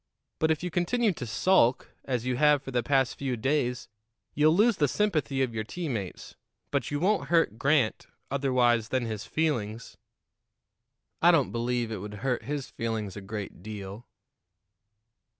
But if you continue to sulk, as you have for the past few days, you'll lose the sympathy of your teammates; but you won't hurt Grant otherwise than his feelings." "I don't believe it would hurt his feelings a great deal."